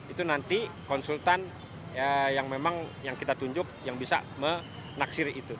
itu nanti konsultan yang memang yang kita tunjuk yang bisa menaksir itu